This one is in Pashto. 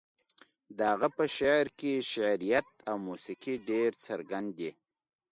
د هغه په شعر کې شعريت او موسيقي ډېر څرګند دي.